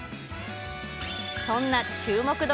そんな注目度